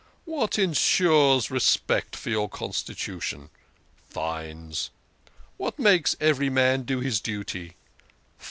What ensures respect for your constitution ? Fines. What makes every man do his duty?